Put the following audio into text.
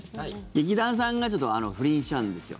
劇団さんがちょっと不倫しちゃうんですよ。